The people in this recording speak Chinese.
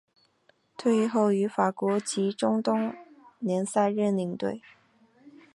退役后于法国及中东联赛任领队。